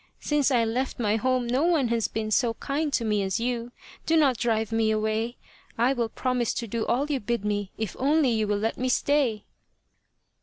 Since I left my home no one has been so kind to me as you. Do not drive me away. I will promise to do all you bid me if only you will let me stay."